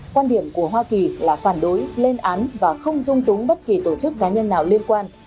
quan điểm của hoa kỳ là phản đối lên án và không dung túng bất kỳ tổ chức cá nhân nào liên quan